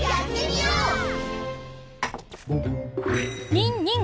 にんにん！